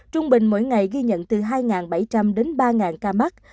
trung bình mỗi ngày ghi nhận từ hai bảy trăm linh đến ba ca mắc